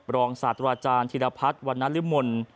รองศาสตราจารย์ธิรพัฒน์วันนริมล